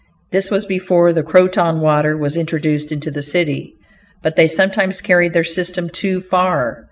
This was before the Croton water was introduced into the city. But they sometimes carried their system too far.